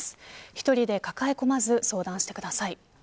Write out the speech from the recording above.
１人で抱え込まず相談してください。